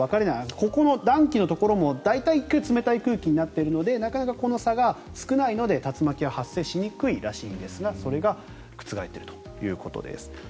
ここの暖気のところも大体冷たい空気になっているのでなかなかこの差が少ないので竜巻は発生しにくいらしいんですがそれが覆っているということです。